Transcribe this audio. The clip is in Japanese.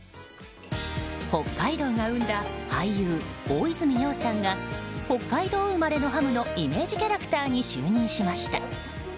北海道が生んだ俳優大泉洋さんが北海道生まれのハムのイメージキャラクターに就任しました。